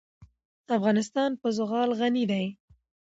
افغانستان په زغال غني دی.